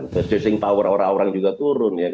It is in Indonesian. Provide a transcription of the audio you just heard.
percising power orang orang juga turun